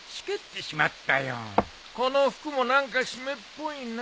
この服も何か湿っぽいな。